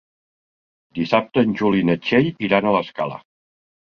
Dissabte en Juli i na Txell iran a l'Escala.